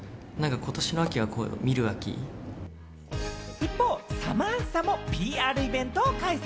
一方、サマンサもＰＲイベントを開催。